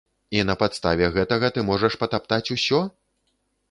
І на падставе гэтага ты можаш патаптаць усё?